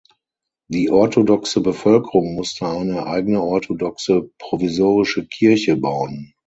Die orthodoxe Bevölkerung musste eine eigene orthodoxe provisorische Kirche bauen.